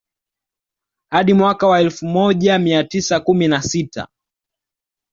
Hadi mwaka wa elfu moja mia tisa kumi na sita